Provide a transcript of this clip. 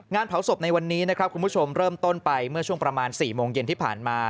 เผาศพในวันนี้นะครับคุณผู้ชมเริ่มต้นไปเมื่อช่วงประมาณ๔โมงเย็นที่ผ่านมา